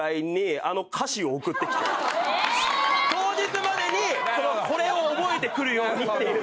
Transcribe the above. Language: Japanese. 当日までにこれを覚えてくるようにっていう。